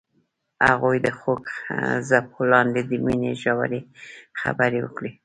هغوی د خوږ څپو لاندې د مینې ژورې خبرې وکړې.